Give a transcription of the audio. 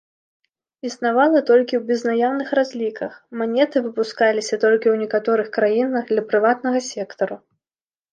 Існавала толькі ў безнаяўных разліках, манеты выпускаліся толькі ў некаторых краінах для прыватнага сектару.